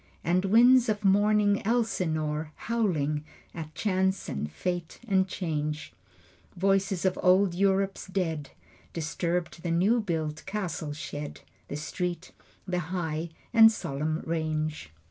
And winds of mourning Elsinore Howling at chance and fate and change; Voices of old Europe's dead Disturbed the new built cattle shed, The street, the high and solemn range.